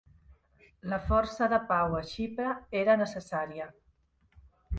La força de pau a Xipre era necessària.